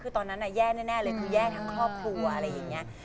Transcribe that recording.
ตอนนั้นน่ะแย่แน่เลยแย่ทั้งครอบครัว